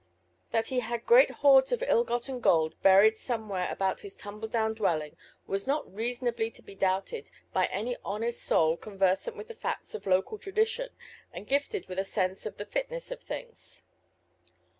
That he had great hoards of ill gotten gold buried somewhere about his tumble down dwelling was not reasonably to be doubted by any honest soul conversant with the facts of local tradition and gifted with a sense of the fitness of things.